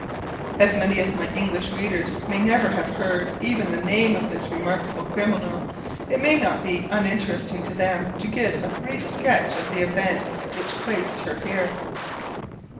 As many of my English readers may never have heard even the name of this remarkable criminal, it may not be uninteresting to them to give a brief sketch of the events which placed her here.